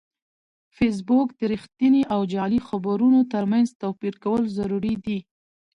فېسبوک د رښتینې او جعلي خبرونو ترمنځ توپیر کول ضروري دي